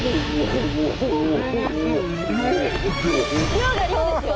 量が量ですよ。